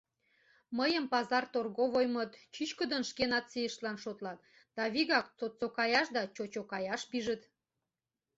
— Мыйым пазар торговоймыт чӱчкыдын шке нацийыштлан шотлат да вигак цоцокаяш да чочокаяш пижыт.